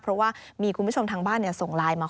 เพราะว่ามีคุณผู้ชมทางบ้านส่งไลน์มาขอ